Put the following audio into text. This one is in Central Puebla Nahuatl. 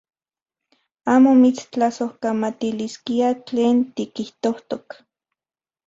Amo mitstlasojkamatiliskia tlen tikijtojtok.